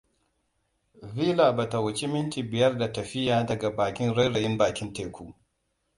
Villa ba ta wuce minti biyar da tafiya daga bakin rairayin bakin teku.